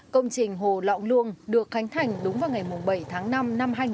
công trình hồ lọng luông được khánh thành đúng vào ngày bảy tháng năm năm hai nghìn một mươi